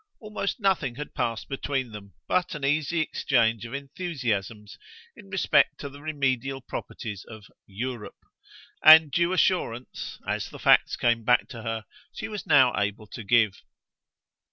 Almost nothing had passed between them but an easy exchange of enthusiasms in respect to the remedial properties of "Europe"; and due assurance, as the facts came back to her, she was now able to give.